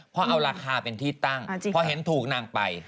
เพราะเอาราคาเป็นที่ตั้งพอเห็นถูกนางไป